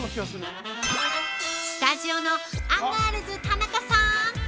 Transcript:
◆スタジオのアンガールズ田中さーん。